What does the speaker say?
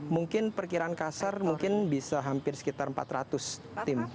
mungkin perkiraan kasar mungkin bisa hampir sekitar empat ratus tim